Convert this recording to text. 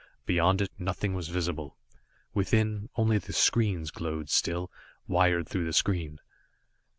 Beyond it, nothing was visible. Within, only the screens glowed still, wired through the screen.